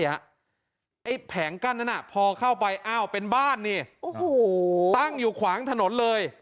แผงกั้นนั้นพอเข้าไปอ้าวเป็นบ้านนี่ตั้งอยู่ขวางถนนเลย